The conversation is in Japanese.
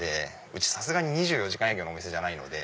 うちさすがに２４時間営業のお店じゃないので。